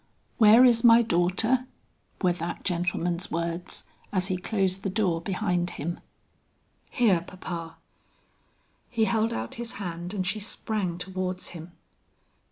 "Where is my daughter?" were that gentleman's words, as he closed the door behind him. "Here, papa." He held out his hand, and she sprang towards him.